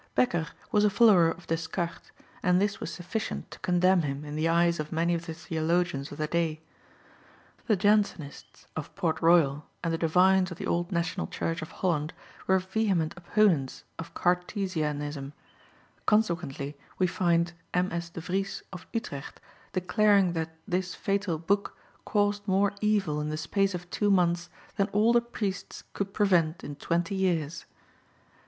Bekker was a follower of Descartes, and this was sufficient to condemn him in the eyes of many of the theologians of the day. The Jansenists of Port Royal and the divines of the old National Church of Holland were vehement opponents of Cartesianism; consequently we find M.S. de Vries of Utrecht declaring that this fatal book caused more evil in the space of two months than all the priests could prevent in twenty years.